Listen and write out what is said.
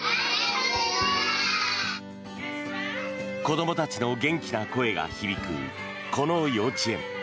子どもたちの元気な声が響くこの幼稚園。